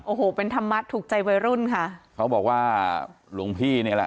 โอ้โหเป็นธรรมะถูกใจวัยรุ่นค่ะเขาบอกว่าหลวงพี่นี่แหละ